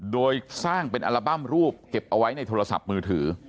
โดยสร้างเป็นอัลบั้มรูปเก็บเอาไว้ในโทรศัพท์มือถือ